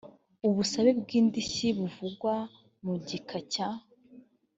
ubusabe bw indishyi buvugwa mu gika cya